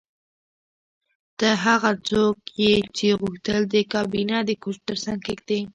ته هغه څوک یې چې غوښتل دې کابینه د کوچ ترڅنګ کیږدې